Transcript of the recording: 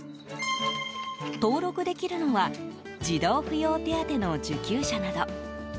登録できるのは児童扶養手当の受給者など。